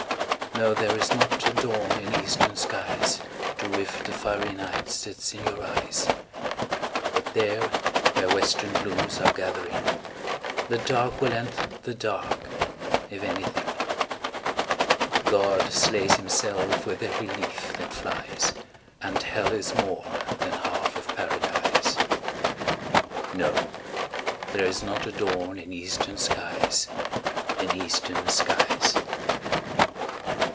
No, there is not a dawn in eastern skies To rift the fiery night that's in your eyes; But there, where western glooms are gathering, The dark will end the dark, if anything: God slays Himself with every leaf that flies, And hell is more than half of paradise. No, there is not a dawn in eastern skies In eastern skies.